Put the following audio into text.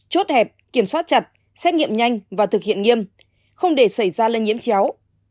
chốt hẹp kiểm soát chặt xét nghiệm nhanh và thực hiện nghiêm không để xảy ra lây nhiễm chéo